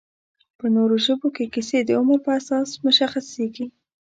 په نورو ژبو کې کیسې د عمر په اساس مشخصېږي